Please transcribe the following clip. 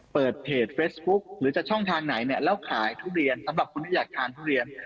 เปิดเพจเฟซบุ๊คหรือจะช่องทางไหนเนี่ยแล้วขายทุเรียนสำหรับคนที่อยากทานทุเรียน